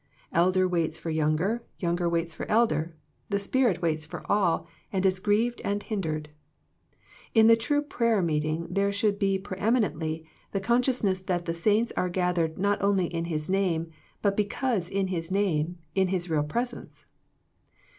Elder waits for younger, younger waits for elder ; the Spirit waits for all, and is grieved and hindered. In the true prayer meeting there should be preeminently the con sciousness that the saints are gathered not only " in His name," but because in His name, in His real presence.